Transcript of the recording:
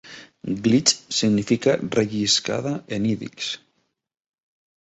"Glitch" significa "relliscada" en ídix.